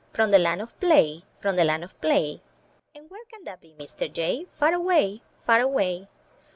"From the land of Play, from the land of Play." And where can that be, Mr. Jay? 'Tar away — far away."